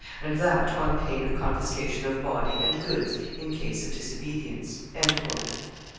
And that, on pain of confiscation of body and goods in case of disobedience."